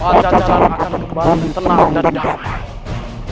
pajajaran akan berkembang dengan tenang dan damai